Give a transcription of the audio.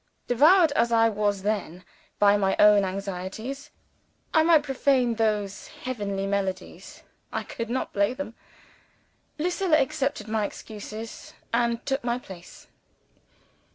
Devoured as I then was by my own anxieties, I might profane those heavenly melodies I could not play them. Lucilla accepted my excuses, and took my place.